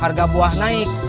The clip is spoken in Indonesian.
harga buah naik